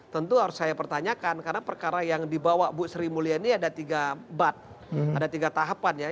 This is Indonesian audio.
tentu harus saya pertanyakan karena perkara yang dibawa bu sri mulyani ada tiga bat ada tiga tahapan ya